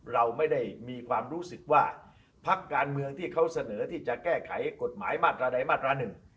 เราไม่ได้มีความรู้สึกว่าพักการเมืองที่เขาเสนอที่จะแก้ไขกฎหมายมาตราใดมาตราหนึ่ง